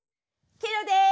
ケロです！